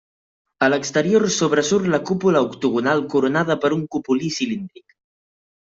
A l'exterior sobresurt la cúpula octogonal coronada per un cupulí cilíndric.